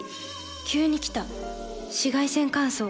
急に来た紫外線乾燥。